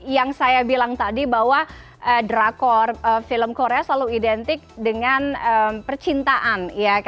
yang saya bilang tadi bahwa drakor film korea selalu identik dengan percintaan